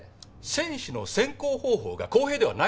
選手の選考方法が公平ではなかった。